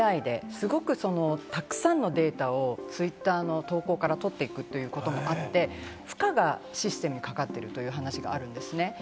すごくたくさんのデータをツイッターの投稿から取っていくってこともあって、負荷がシステムにかかっているという話があるんですね。